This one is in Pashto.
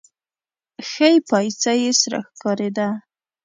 ښۍ پايڅه يې سره ښکارېده.